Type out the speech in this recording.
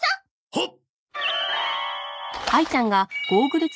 はっ！